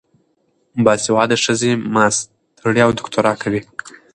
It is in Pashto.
باسواده ښځې ماسټري او دوکتورا کوي.